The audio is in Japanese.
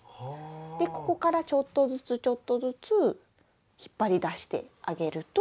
ここからちょっとずつちょっとずつ引っ張り出してあげると。